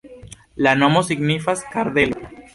La nomo signifas: kardelo.